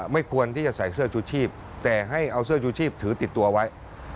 ไม่ควรที่จะใส่เสื้อชูชีพแต่ให้เอาเสื้อชูชีพถือติดตัวไว้